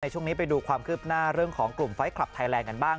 ช่วงนี้ไปดูความคืบหน้าเรื่องของกลุ่มไฟล์คลับไทยแลนด์กันบ้าง